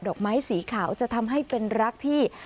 อกไม้สีขาวจะทำให้เป็นรักที่